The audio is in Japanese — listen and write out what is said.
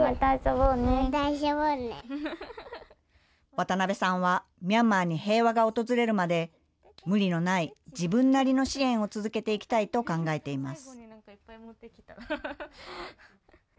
渡辺さんは、ミャンマーに平和が訪れるまで、無理のない自分なりの支援を続けていきたいと考えています。